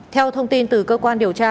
theo thông tin từ cơ quan điều tra